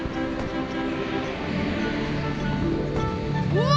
うわ！